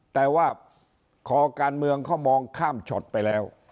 แต่ว่าคอการเมืองเขามองข้ามช็อตไปแล้ว